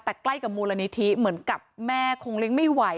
แต่ใกล้กับมูลนิธิเหมือนกับแม่คงเลี้ยงไม่ไหว